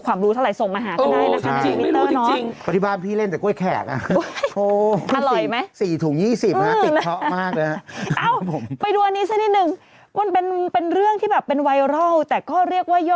ความรู้เท่าไรส่งมาหาก็ได้นะคะมิตเตอร์น้อย